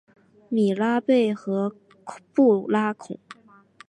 米拉贝和布拉孔。